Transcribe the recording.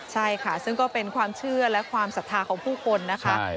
ใช่ค่ะซึ่งก็เป็นความเชื่อและความศรัทธาของผู้คนนะคะ